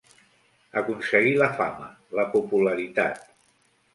Aconseguir la fama, la popularitat.